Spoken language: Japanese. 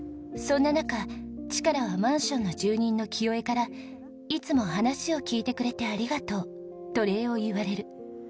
そんな中チカラはマンションの住人の清江から「いつも話を聞いてくれてありがとう」と礼を言われる。